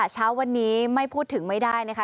เช้าวันนี้ไม่พูดถึงไม่ได้นะคะ